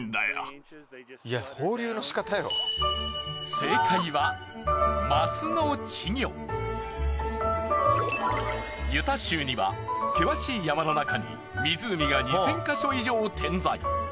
正解はユタ州には険しい山の中に湖が２，０００ヵ所以上点在。